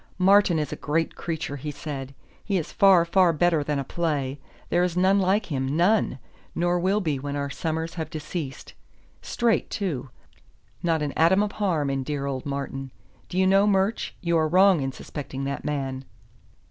"Martin is a great creature," he said. "He is far, far better than a play. There is none like him, none nor will be when our summers have deceased. Straight, too: not an atom of harm in dear old Martin. Do you know, Murch, you are wrong in suspecting that man."